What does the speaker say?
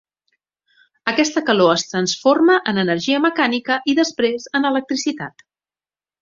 Aquesta calor es transforma en energia mecànica i després en electricitat.